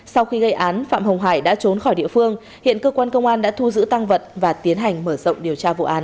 sau khi gây án phạm hồng hải đã trốn khỏi địa phương hiện cơ quan công an đã thu giữ tăng vật và tiến hành mở rộng điều tra vụ án